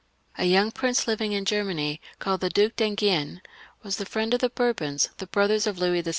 A young \ prince living in Germany, called the Duke d'Enghien, was . the friend of the Bourbons, the brothers of Louis XVI.